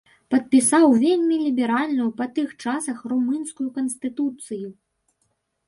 Падпісаў вельмі ліберальную па тых часах румынскую канстытуцыю.